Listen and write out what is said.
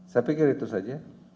saya pikir itu saja